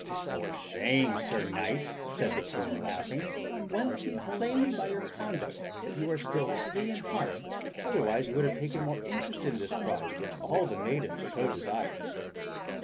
"For shame, Sir Knight!" said the Queen, still laughing. "One sees plainly by your conduct that you are still free in heart, otherwise you would have taken more interest in this prize which all the maidens so desire."